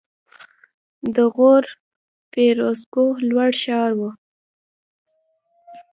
د غور فیروزکوه لوړ ښار و